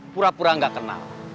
pura pura gak kenal